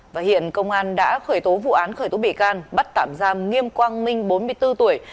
và hiện công an đã khởi tố vụ án khởi tố bị can bắt tạm giam nghiêm quang minh bốn mươi bốn tuổi